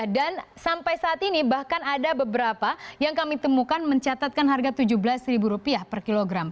dan sampai saat ini bahkan ada beberapa yang kami temukan mencatatkan harga rp tujuh belas per kilogram